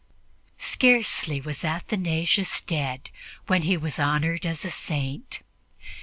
Scarcely was Athanasius dead when he was honored as a Saint.